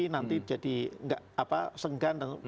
nanti jadi senggan